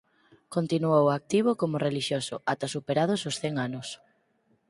Continuou activo como relixioso ata superados os cen anos.